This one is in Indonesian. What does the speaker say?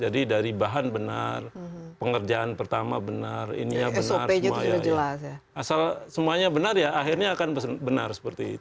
jadi dari bahan benar pengerjaan pertama benar ini benar asal semuanya benar ya akhirnya akan benar seperti itu